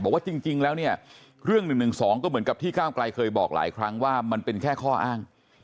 บอกว่าจริงแล้วเนี่ยเรื่อง๑๑๒ก็เหมือนกับที่ก้าวไกลเคยบอกหลายครั้งว่ามันเป็นแค่ข้ออ้าง